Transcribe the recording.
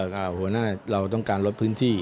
หัวหน้าเราต้องการลดพื้นที่